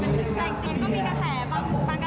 ไม่ได้จะเปลี่ยนเพียบนะคะ